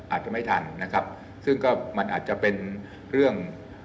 อาจจะไม่ทันนะครับซึ่งก็มันอาจจะเป็นเรื่อง